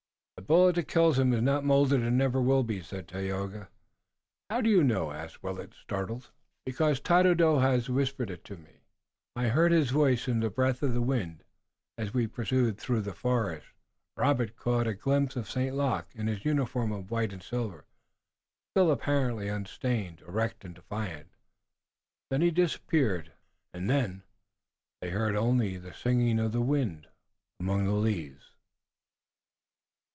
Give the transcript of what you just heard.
"The bullet that kills him is not molded and never will be," said Tayoga. "How do you know?" asked Willet, startled. "Because Tododaho has whispered it to me. I heard his voice in the breath of the wind as we pursued through the forest." Robert caught a glimpse of St. Luc, in his uniform of white and silver, still apparently unstained, erect and defiant. Then he disappeared and they heard only the singing of the wind among the leaves.